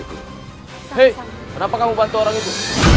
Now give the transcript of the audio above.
itu hai kenapa kamu bantu orang itu